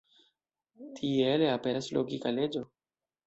Tiele aperas logika leĝo.